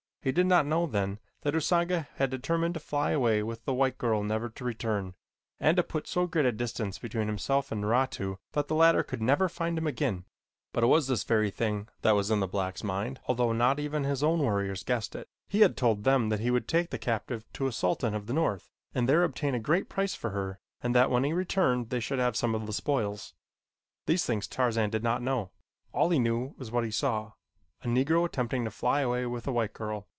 He did not know, then, that Usanga had determined to fly away with the white girl never to return, and to put so great a distance between himself and Naratu that the latter never could find him again; but it was this very thing that was in the black's mind although not even his own warriors guessed it. He had told them that he would take the captive to a sultan of the north and there obtain a great price for her and that when he returned they should have some of the spoils. These things Tarzan did not know. All he knew was what he saw a Negro attempting to fly away with a white girl.